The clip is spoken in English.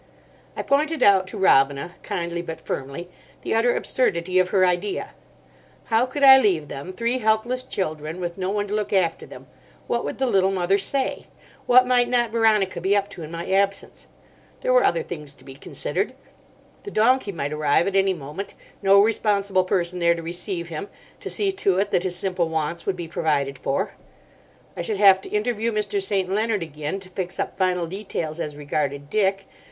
I pointed out to Robina, kindly but firmly, the utter absurdity of her idea. How could I leave them, three helpless children, with no one to look after them? What would the Little Mother say? What might not Veronica be up to in my absence? There were other things to be considered. The donkey might arrive at any moment—no responsible person there to receive him—to see to it that his simple wants would be provided for. I should have to interview Mr. St. Leonard again to fix up final details as regarded Dick.